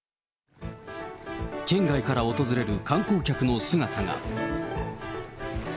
県外から訪れる観光客の姿が。